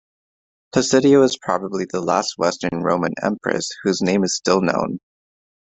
Placidia was probably the last Western Roman Empress whose name is still known.